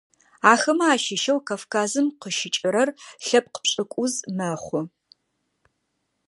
Ахэмэ ащыщэу Кавказым къыщыкӏырэр лъэпкъ пшӏыкӏуз мэхъу.